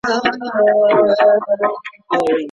دولتي پوهنتون په بیړه نه بشپړیږي.